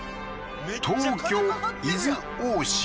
東京伊豆大島